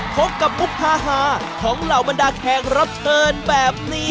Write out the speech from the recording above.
พบกับมุกฮาของเหล่าบรรดาแขกรับเชิญแบบนี้